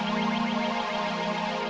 aku mau menikmati juwita aku selama bertahun tahun